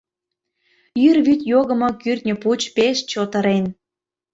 Йӱр вӱд йогымо кӱртньӧ пуч пеш чот ырен.